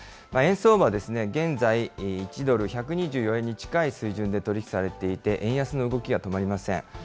円相場は現在、１ドル１２４円に近い水準で取り引きされていて、円安の動きが止まりません。